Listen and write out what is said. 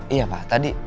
iya pak tadi